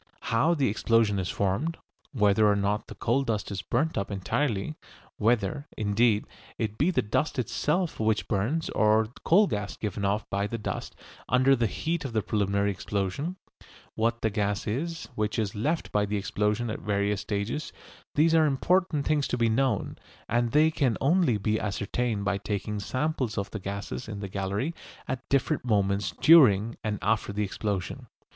How the explosion is formed, whether or not the coal dust is burnt up entirely, whether, indeed, it be the dust itself which burns or coal gas given off by the dust under the heat of the preliminary explosion, what the gas is which is left by the explosion at various stages these are important things to be known, and they can only be ascertained by taking samples of the gases in the gallery at different moments during and after the explosion.